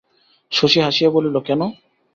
শশী হাসিয়া বলিল, কেন?